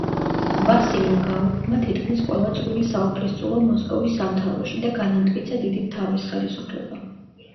ვასილიმ გააუქმა თითქმის ყველა წვრილი საუფლისწულო მოსკოვის სამთავროში და განამტკიცა დიდი მთავრის ხელისუფლება.